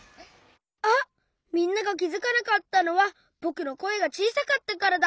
あっみんながきづかなかったのはぼくのこえがちいさかったからだ。